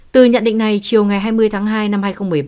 từ nhận định này chiều ngày hai mươi tháng hai năm hai nghìn một mươi ba